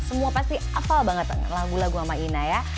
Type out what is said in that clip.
semua pasti afal banget dengan lagu lagu mama ina ya